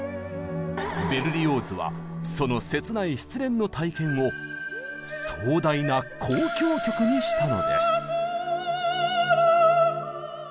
ベルリオーズはその切ない失恋の体験を壮大な交響曲にしたのです！